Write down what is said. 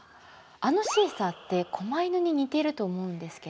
あのシーサーって狛犬に似てると思うんですけど。